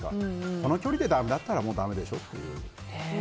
この距離でだめだったらもうだめでしょうっていう。